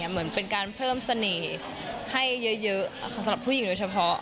เหมือนเป็นการเพิ่มเสน่ห์ให้เยอะสำหรับผู้หญิงโดยเฉพาะ